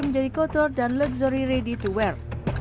menjadi kotor dan luxury ready to wear